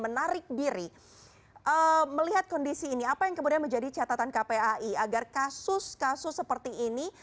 menarik diri melihat kondisi ini apa yang kemudian menjadi catatan kpai agar kasus kasus seperti ini